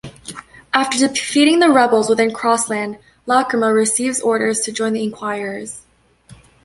After defeating the rebels within Cross Land, Lacryma receives orders to join the Inquirers.